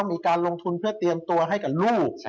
มีการลงทุนเพื่อเตรียมตัวให้กับลูก